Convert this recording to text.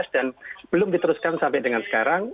dan belum diteruskan sampai dengan sekarang